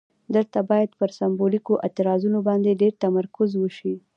دلته باید پر سمبولیکو اعتراضونو باندې ډیر تمرکز وشي.